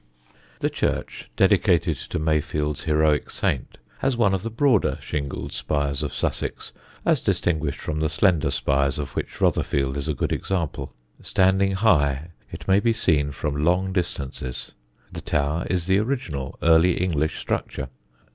The church, dedicated to Mayfield's heroic saint, has one of the broader shingled spires of Sussex, as distinguished from the slender spires of which Rotherfield is a good example. Standing high, it may be seen from long distances. The tower is the original Early English structure.